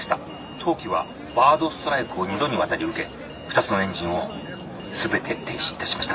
当機はバードストライクを二度にわたり受け２つのエンジンを全て停止いたしました。